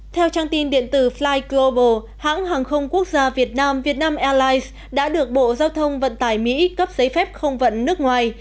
theo trang tin điện tử flyglobal hãng hàng không quốc gia việt nam vietnam airlines đã được bộ giao thông vận tải mỹ cấp giấy phép không vận nước ngoài